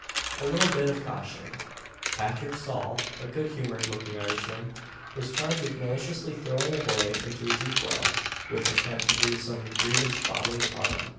A LITTLE BIT OF A CAUTION. Patrick Saul, a good humoured looking Irishman, was charged with maliciously throwing a boy into a deep well, with intent to do him some grievous bodily harm.